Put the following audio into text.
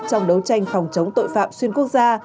trong đấu tranh phòng chống tội phạm xuyên quốc gia